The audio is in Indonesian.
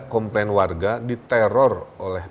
komplain warga diteror oleh